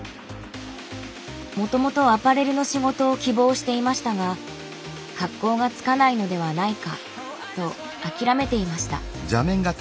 もともとアパレルの仕事を希望していましたが格好がつかないのではないかと諦めていました。